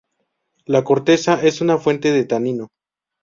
La corteza es una fuente de tanino.